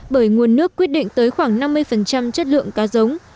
bởi nguồn nước quyết định tới khoảng năm mươi chất lượng cá giống